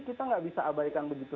kita nggak bisa abaikan begitu